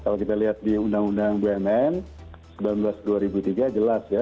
kalau kita lihat di undang undang bumn sembilan belas dua ribu tiga jelas ya